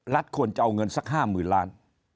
ควรจะเอาเงินสัก๕๐๐๐ล้าน